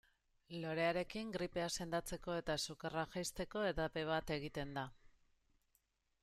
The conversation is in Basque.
Lorearekin gripea sendatzeko eta sukarra jaisteko edabe bat egiten da.